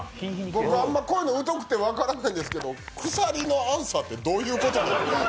僕、あんまこういうのうとくて分からないんですけど、鎖のアンサーって、どういうことなんですか？